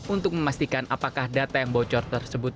untuk memastikan apakah data yang bocor tersebut